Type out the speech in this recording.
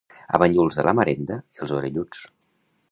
A Banyuls de la Marenda, els orelluts.